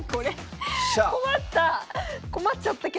困った！